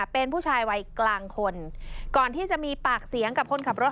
เป็นผู้ชายวัยกลางคนก่อนที่จะมีปากเสียงกับคนขับรถ